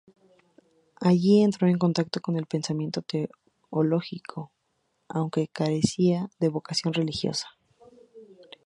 Allí entró en contacto con el pensamiento teológico, aunque carecía de vocación religiosa.